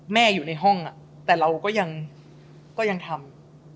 อยู่ในห้องแต่เราก็ยังทำ